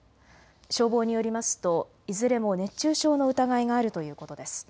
消防によりますといずれも熱中症の疑いがあるということです。